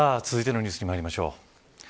続いてのニュースにまいりましょう。